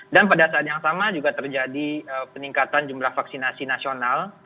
dan pada saat yang sama juga terjadi peningkatan jumlah vaksinasi nasional